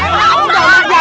ya ada keseluruhannya